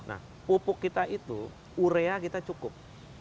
nah pupuk kita itu urea kita cukup